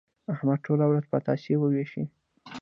احمد ټوله ورځ پتاسې وېشي.